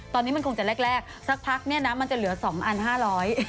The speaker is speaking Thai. ตอนนี้มันคงจะแรกสักพักเนี่ยนะมันจะเหลือ๒อัน๕๐๐บาท